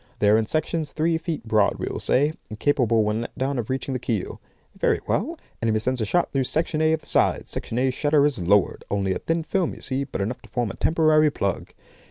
They are in sections, three feet broad, we will say, and capable when let down of reaching the keel. Very well! Enemy sends a shot through Section A of the side. Section A shutter is lowered. Only a thin film, you see, but enough to form a temporary plug.